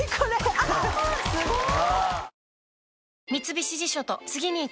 あすごい！